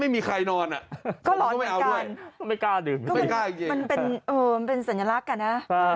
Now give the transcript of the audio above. มันเป็นสัญลักษณ์ค่ะนะ